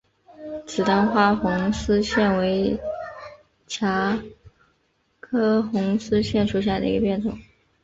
紫单花红丝线为茄科红丝线属下的一个变种。